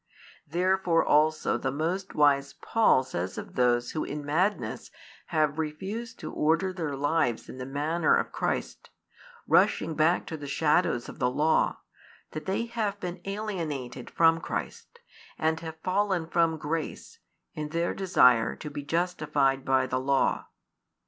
Therefore also the most wise Paul says of those who in madness have refused to order their lives in the manner of Christ, rushing back to the shadows of the law, that they have been alienated from Christ, and have fallen from grace in their desire to be justified by the law.